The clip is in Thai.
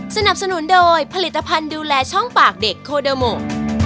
สนับสนุนโดยผลิตภัณฑ์ดูแลช่องปากเด็กโคเดอร์โม